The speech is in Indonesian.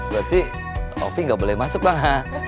berarti ovi gak boleh masuk bang